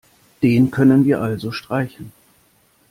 Den können wir also streichen.